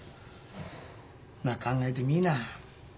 まあ考えてみいな。